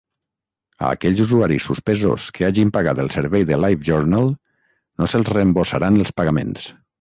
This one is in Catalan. A aquells usuaris suspesos que hagin pagat el servei de LiveJournal no se'ls reembossaran els pagaments.